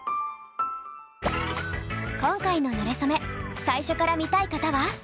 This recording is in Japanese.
今回の「なれそめ」最初から見たい方は！